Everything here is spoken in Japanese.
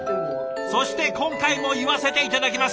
そして今回も言わせて頂きます。